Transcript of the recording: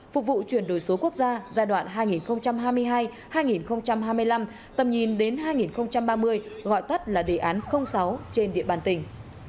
phục vụ chuyển đổi số quốc gia giai đoạn hai nghìn hai mươi hai hai nghìn hai mươi năm tầm nhìn đến hai nghìn ba mươi gọi tắt là đề án sáu trên địa bàn tỉnh